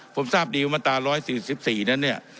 ผมทราบดีว่ามาตรา๑๔๔นั้นเนี่ย